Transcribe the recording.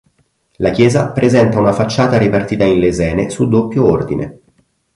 La chiesa presenta una facciata ripartita in lesene su doppio ordine.